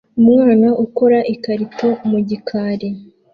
Umwana ukora ikarito mu gikari